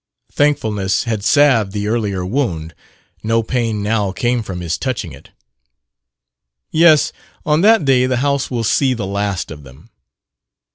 Thankfulness had salved the earlier wound; no pain now came from his touching it. "Yes; on that day the house will see the last of them."